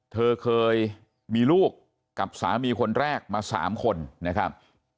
เธอเคยมีลูกกับสามีคนแรกมา๓คนนะครับ